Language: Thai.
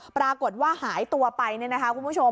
ปรากฏว่าหายตัวไปนะครับคุณผู้ชม